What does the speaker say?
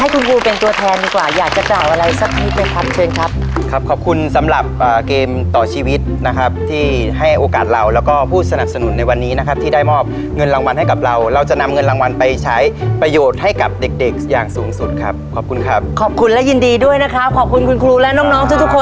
คุณครูเป็นตัวแทนดีกว่าอยากจะกล่าวอะไรสักนี้เป็นคำเชิญครับครับขอบคุณสำหรับเกมต่อชีวิตนะครับที่ให้โอกาสเราแล้วก็ผู้สนับสนุนในวันนี้นะครับที่ได้มอบเงินรางวัลให้กับเราเราจะนำเงินรางวัลไปใช้ประโยชน์ให้กับเด็กเด็กอย่างสูงสุดครับขอบคุณครับขอบคุณและยินดีด้วยนะครับขอบคุณคุณครูและน้องน้องทุกทุกคน